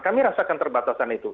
kami rasakan terbatasan itu